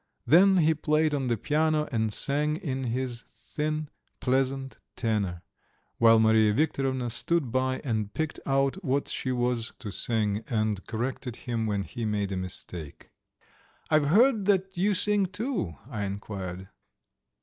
Then he played on the piano and sang in his thin, pleasant tenor, while Mariya Viktorovna stood by and picked out what he was to sing, and corrected him when he made a mistake. "I've heard that you sing, too?" I enquired.